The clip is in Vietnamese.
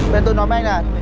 bên tôi nói với anh là